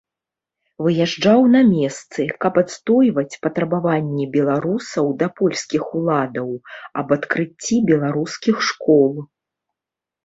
Выязджаў на месцы, каб адстойваць патрабаванні беларусаў да польскіх уладаў аб адкрыцці беларускіх школ.